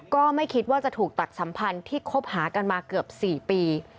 ก็ไม่คิดว่าจะถูกตัดสัมพันธ์ที่คบหากันมาเกือบ๔ปี